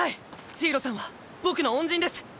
ジイロさんは僕の恩人です。